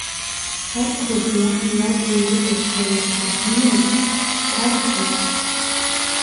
Аӡӷаб лани лаби ирыдышшыларц иахьнеиз, ишԥарҳәаз?